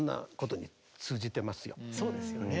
そうですよね。